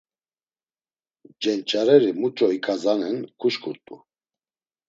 Cenç̌areri muç̌o iǩazanen kuşǩurt̆u.